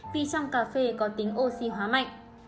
vì trong cà phê có tính oxy hóa mạnh